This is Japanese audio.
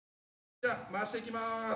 じゃあ回していきます！